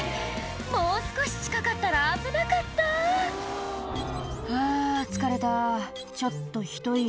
もう少し近かったら危なかった「はぁ疲れたちょっとひと息」